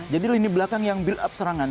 jadi lini belakang yang build up serangan